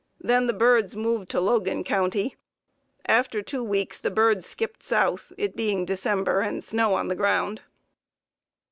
Then the birds moved to Logan County. After two weeks the birds skipped South, it being December and snow on the ground.